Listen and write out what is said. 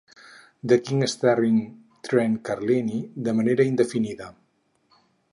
'The King Starring Trent Carlini' de manera indefinida.